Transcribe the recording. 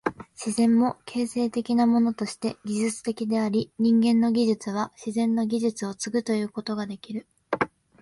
自然も形成的なものとして技術的であり、人間の技術は自然の技術を継ぐということができる。